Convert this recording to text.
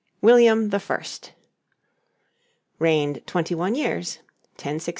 WILLIAM THE FIRST Reigned twenty one years: 1066 1087.